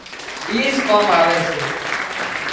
ايز ڪام آوي سي